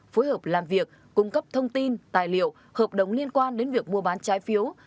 phối hợp làm việc cung cấp thông tin tài liệu hợp đồng liên quan đến việc mua bán trái phiếu